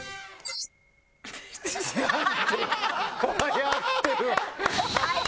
やってる。